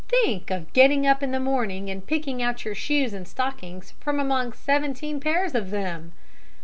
Think of getting up in the morning and picking out your shoes and stockings from among seventeen pairs of them!